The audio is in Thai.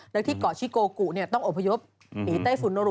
แล้วที่เกาะชิโกกุเนี่ยต้องอบพยพหนีใต้ฝุ่นโนรุ